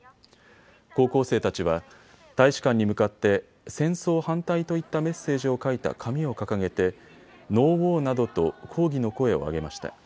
高校生たちは大使館に向かって戦争反対といったメッセージを書いた紙を掲げてＮＯＷＡＲなどと抗議の声を上げました。